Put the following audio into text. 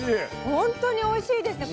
本当においしいですね。